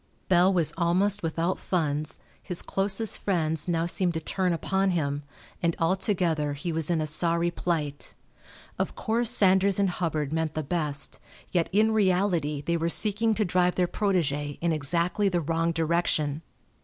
Bell was almost without funds, his closest friends now seemed to turn upon him, and altogether he was in a sorry plight. Of course Sanders and Hubbard meant the best, yet in reality they were seeking to drive their protégé in exactly the wrong direction.